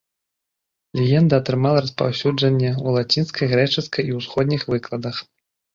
Легенда атрымала распаўсюджанне у лацінскай, грэчаскай і ўсходніх выкладах.